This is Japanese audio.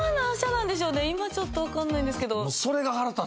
今ちょっとわかんないんですけど。